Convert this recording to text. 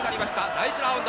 第１ラウンド。